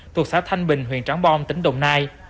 thuộc xã thanh bình huyện trắng bom tỉnh đồng nai